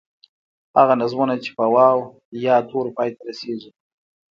هغه نظمونه چې په واو، یا تورو پای ته رسیږي.